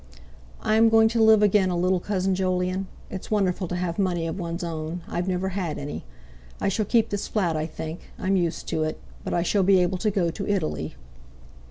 "I am going to live again a little, Cousin Jolyon. It's wonderful to have money of one's own. I've never had any. I shall keep this flat, I think; I'm used to it; but I shall be able to go to Italy."